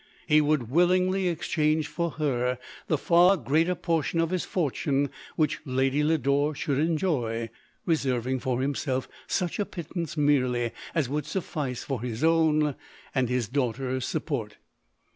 He would willingly exchange for her the far greater portion of his fortune, which Lady Lodore should enjoy ; reserving for himself such a pittance merely as would suffice for his own and his daughter's support.